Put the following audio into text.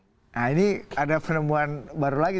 nah ini ada penemuan baru lagi